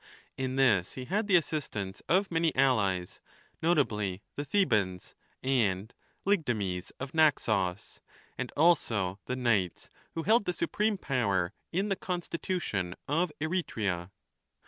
In this he had the assistance of many allies, notably the Thebans and Lygdamis of Naxos, and also the Knights who held the supreme power in the constitution of Eretria.